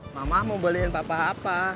mama mau beliin papa apa